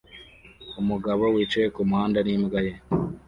Umugabo wicaye kumuhanda n'imbwa ye